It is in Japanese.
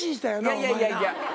いやいやいやいや。